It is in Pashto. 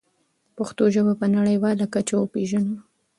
پښتو ژبه په نړیواله کچه وپېژنو.